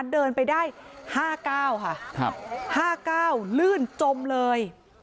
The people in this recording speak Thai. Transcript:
เดินไปได้๕เก้าค่ะ๕เก้าลื่นจมเลย